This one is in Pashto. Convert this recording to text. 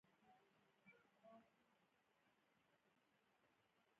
هلمند سیند د افغانستان د صادراتو یوه مهمه برخه ده.